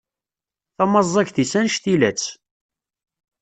Tamaẓagt-is anect-ilatt.